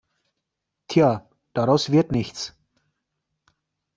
Tja, daraus wird nichts.